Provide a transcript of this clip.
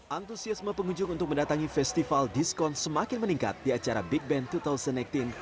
antusiasme pengunjung untuk mendatangi festival diskon semakin meningkat di acara big band dua ribu delapan belas